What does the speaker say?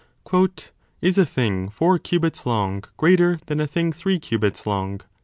Is a thing four cubits long greater than a thing three cubits long ?